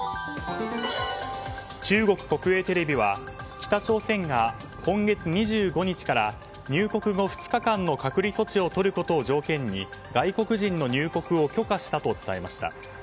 中国国営テレビは北朝鮮が今月２５日から入国後２日間の隔離措置をとることを条件に外国人の入国を許可したと伝えました。